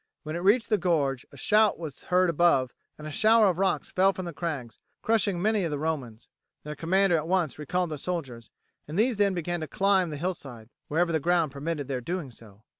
When it reached the gorge a shout was heard above and a shower of rocks fell from the crags, crushing many of the Romans. Their commander at once recalled the soldiers, and these then began to climb the hillside, wherever the ground permitted their doing so.